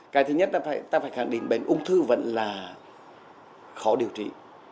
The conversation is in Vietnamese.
cái thứ nhất là ta phải khẳng định bệnh ung thư vẫn là khó điều trị